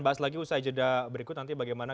bahas lagi usai jeda berikut nanti bagaimana